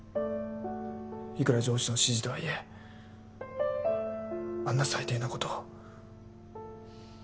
いくら上司の指示とはいえあんな最低な事を。